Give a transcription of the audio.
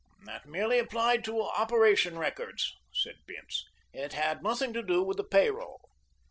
"That merely applied to operation records," said Bince. "It had nothing to do with the pay roll."